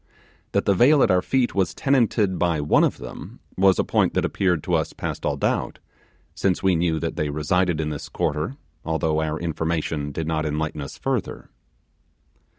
That the vale at our feet was tenanted by one of them, was a point that appeared to us past all doubt, since we knew that they resided in this quarter, although our information did not enlighten us further.